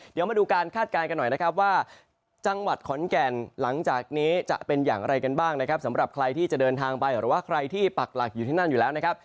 เดี๋ยวมาดูการคาดการณ์กันหน่อยนะครับว่าจังหวัดขอนแก่นหลังจากนี้จะเป็นอย่างไรกันบ้างนะครับสำหรับใครที่จะเดินทางไปหรือว่าใครที่ปักหลักอยู่ที่นั่นอยู่แล้วนะครับ